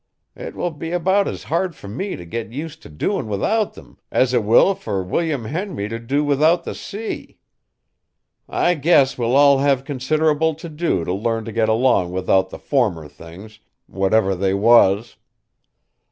It will be about as hard fur me t' get use t' doin' without them, as it will fur William Henry t' do without the sea. I guess we'll all have considerable t' do t' learn t' get along without the former things, whatever they was.